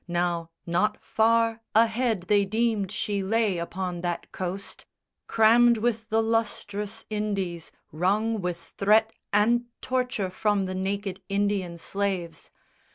Now not far Ahead they deemed she lay upon that coast, Crammed with the lustrous Indies, wrung with threat And torture from the naked Indian slaves.